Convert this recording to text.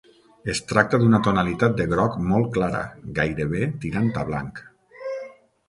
Es tracta d'una tonalitat de groc molt clara, gairebé tirant a blanc.